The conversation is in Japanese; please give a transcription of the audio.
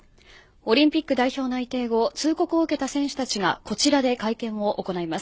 オリンピック代表内定後通告を受けた選手たちがこちらで会見を行います。